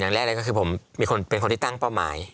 แรกเลยก็คือผมเป็นคนที่ตั้งเป้าหมาย